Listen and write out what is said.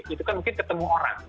itu kan mungkin ketemu orang